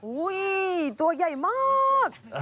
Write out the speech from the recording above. อุ๊ยตัวใหญ่มาก